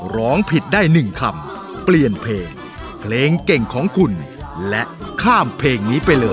ร้องผิดได้๑คำเปลี่ยนเพลงเพลงเก่งของคุณและข้ามเพลงนี้ไปเลย